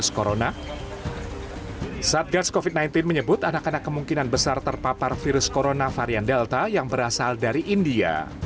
satgas covid sembilan belas menyebut anak anak kemungkinan besar terpapar virus corona varian delta yang berasal dari india